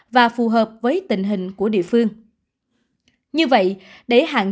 và phù hợp với tình hình của địa phương